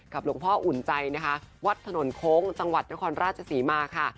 หลวงพ่ออุ่นใจนะคะวัดถนนโค้งจังหวัดนครราชศรีมาค่ะ